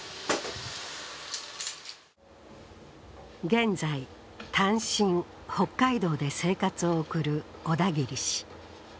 現在、単身、北海道で生活を送る小田切氏。